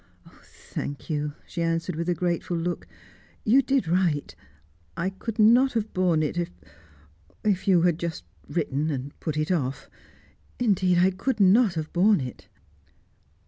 "Thank you," she answered with a grateful look. "You did right. I could not have borne it if you had just written and put it off. Indeed, I could not have borne it."